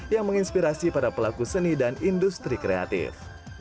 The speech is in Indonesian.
yang menginspirasi para pelaku seni dan industri kreatif